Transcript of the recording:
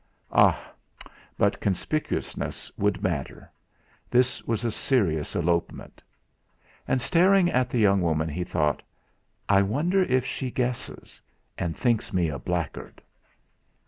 Ah! But conspicuousness would matter; this was a serious elopement. And, staring at the young woman, he thought: 'I wonder if she guesses, and thinks me a blackguard?'